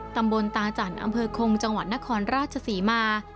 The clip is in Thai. ตำบลตาจันทร์อำเภอคงจังหวัดนครราชศรีมา